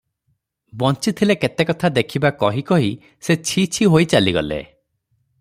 ବଞ୍ଚିଥିଲେ କେତେକଥା ଦେଖିବା- କହି କହି ସେ ଛି-ଛି ହୋଇ ଚାଲିଗଲେ ।